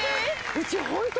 うちホント。